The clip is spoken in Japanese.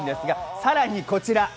さらにこちら。